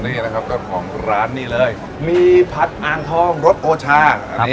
นี่นะครับเจ้าของร้านนี่เลยมีผัดอ่างทองรสโอชา